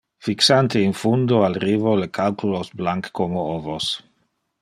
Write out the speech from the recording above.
Fixante in fundo al rivo le calculos blanc como ovos.